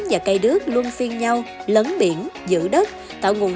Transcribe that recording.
và cây đước luôn phiên nhau lấn biển giữ đất tạo nguồn